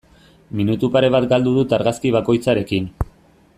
Minutu pare bat galdu dut argazki bakoitzarekin.